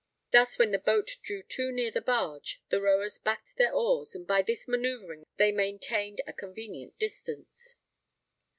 Thus, when the boat drew too near the barge, the rowers backed their oars; and by this manœuvring they maintained a convenient distance.